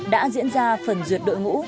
đã diễn ra phần duyệt đội ngũ